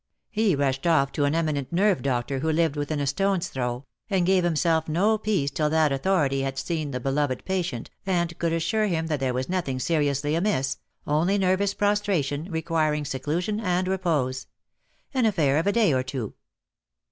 He ruslted off to an eminent nerve doctor who lived within a stone's throw, and gave himself no peace till that authority had seen the beloved patient, and could assure him that there was nothing seriously amiss, only nervous prostration, requiring seclusion and repose. An affair of a day or two.